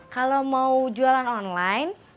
kalau mau jualan online